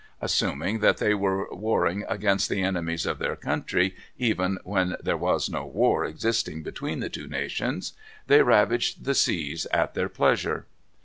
Assuming that they were warring against the enemies of their country, even when there was no war existing between the two nations, they ravaged the seas at their pleasure.